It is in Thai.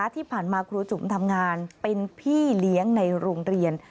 ที่ผ่านมาครูจุ๋มทำงานเป็นพี่เลี้ยงในโรงเรียน